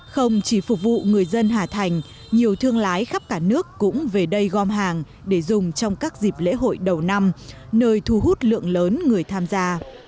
không chỉ phục vụ người dân hà thành nhiều thương lái khắp cả nước cũng về đây gom hàng để dùng trong các dịp lễ hội đầu năm nơi thu hút lượng lớn người tham gia